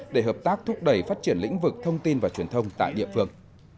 để hợp tác thúc đẩy phát triển lĩnh vực thông tin và truyền thông tại địa phương